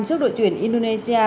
trước đội tuyển indonesia